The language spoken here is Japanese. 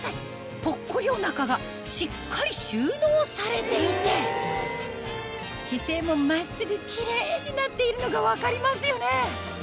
ぽっこりお腹がしっかり収納されていて姿勢も真っすぐキレイになっているのが分かりますよね